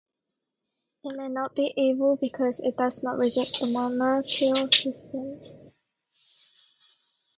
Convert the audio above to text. It may not be evil because it does not reject the monarchical system.